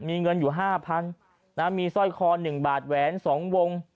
มีเงินอยู่๕๐๐มีสร้อยคอ๑บาทแหวน๒วง